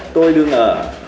tôi đương ở